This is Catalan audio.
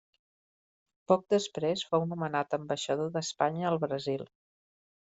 Poc després fou nomenat ambaixador d'Espanya al Brasil.